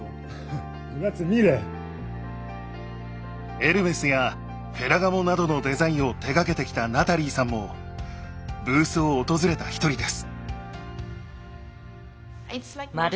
エルメスやフェラガモなどのデザインを手がけてきたナタリーさんもブースを訪れた一人です。